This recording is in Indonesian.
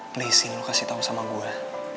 please sin lo kasih tau sama gue